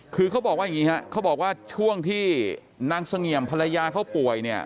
คือเขาบอกว่าอย่างนี้ฮะเขาบอกว่าช่วงที่นางเสงี่ยมภรรยาเขาป่วยเนี่ย